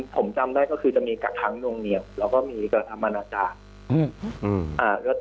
ผมจำได้ก็คือจะมีกักค้างนวงเหนียวแล้วก็มีกระทำอนาจารย์